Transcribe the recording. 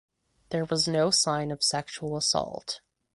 There was no sign of sexual assault.